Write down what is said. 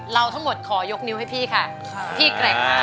เราทั้งหมดขอยกนิ้วให้พี่ค่ะพี่แกร่งมากสุดยอดค่ะ